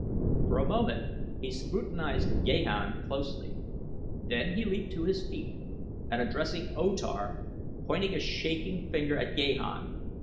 For a moment he scrutinized Gahan closely, then he leaped to his feet and addressing O Tar pointed a shaking finger at Gahan.